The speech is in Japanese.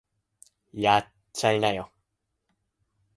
やっちゃいなよ